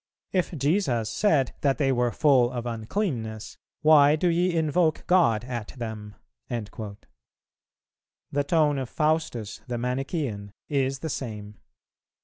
.... If Jesus said that they were full of uncleanness, why do ye invoke God at them?" The tone of Faustus the Manichæan is the same.